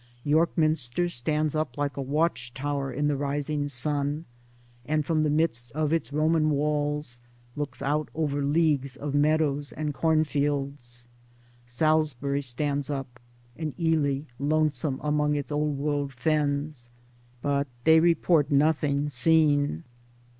York Minster stands up like a watchtower in the rising sun, and from the midst of its Roman walls looks out over leagues of meadows and cornfields ; Salisbury stands up, and Ely lonesome among its old world fens; but they report nothing seen.